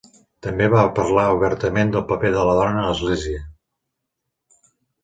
També va parlar obertament del paper de la dona a l'Església.